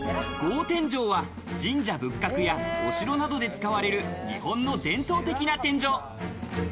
格天井は神社仏閣やお城などで使われる日本の伝統的な天井。